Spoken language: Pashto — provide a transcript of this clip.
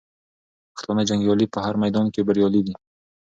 پښتانه جنګیالي په هر میدان کې بریالي دي.